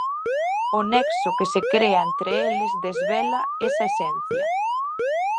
O nexo que se crea entre eles desvela esa esencia.